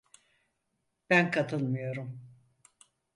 Ben katılmıyorum.